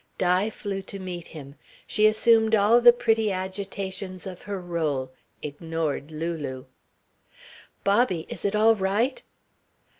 Di flew to meet him. She assumed all the pretty agitations of her rôle, ignored Lulu. "Bobby! Is it all right?"